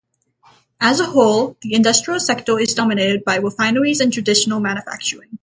As a whole, the industrial sector is dominated by refineries and traditional manufacturing.